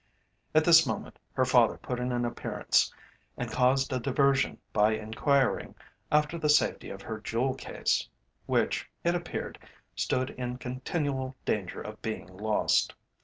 At this moment her father put in an appearance and caused a diversion by enquiring after the safety of her jewel case, which, it appeared, stood in continual danger of being lost.